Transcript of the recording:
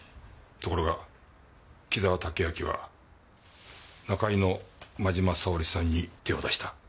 ところが紀沢武明は仲居の真嶋沙織さんに手を出した。